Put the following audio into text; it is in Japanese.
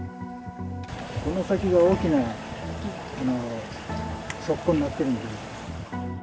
この先が大きな側溝になってる。